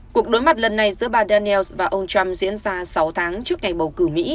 cuộc đối mặt lần này giữa bà danels và ông trump diễn ra sáu tháng trước ngày bầu cử mỹ